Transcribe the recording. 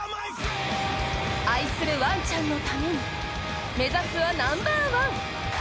愛するワンちゃんのために目指すはナンバーワン。